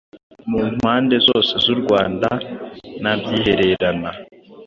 mu mpande zose z’u Rwanda, ntabyihererana.